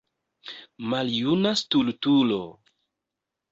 Maljuna stultulo!